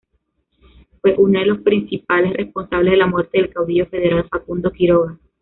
Fue uno de los principales responsables de la muerte del caudillo federal Facundo Quiroga.